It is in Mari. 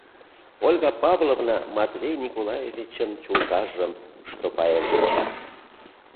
Ольга Павловна Матвей Николаевичын чулкажым штопаен шинча.